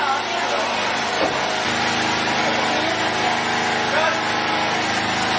อันดับที่สุดท้ายก็จะเป็น